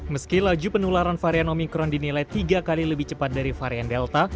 meski laju penularan varian omikron dinilai tiga kali lebih cepat dari varian delta